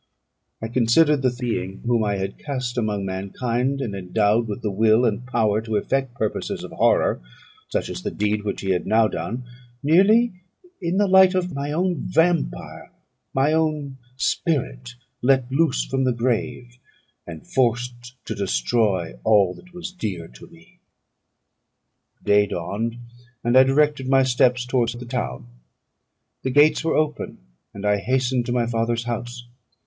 I considered the being whom I had cast among mankind, and endowed with the will and power to effect purposes of horror, such as the deed which he had now done, nearly in the light of my own vampire, my own spirit let loose from the grave, and forced to destroy all that was dear to me. Day dawned; and I directed my steps towards the town. The gates were open, and I hastened to my father's house.